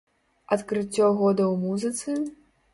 Адкрыццё года ў музыцы?